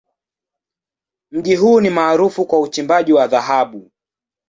Mji huu ni maarufu kwa uchimbaji wa dhahabu.